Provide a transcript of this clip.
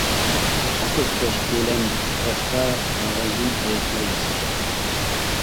ئاكا-ئۇكا ئىككىيلەن باشتا قەغەزدىن ئايروپىلان ياساشتى.